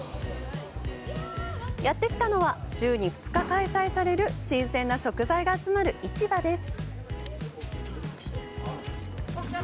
やってきたのは、週に２日開催される新鮮な食材が集まる市場です。